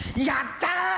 やった！